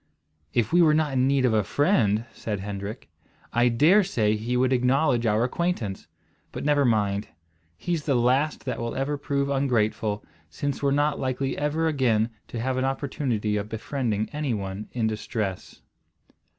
"If we were not in need of a friend," said Hendrik, "I dare say he would acknowledge our acquaintance. But never mind. He's the last that will ever prove ungrateful, since we're not likely ever again to have an opportunity of befriending any one in distress."